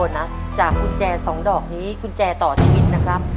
นั่นเป็นอะไร